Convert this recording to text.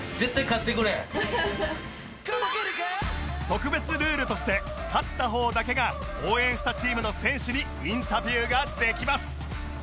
特別ルールとして勝った方だけが応援したチームの選手にインタビューができます